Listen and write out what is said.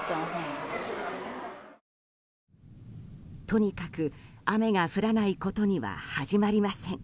とにかく雨が降らないことには始まりません。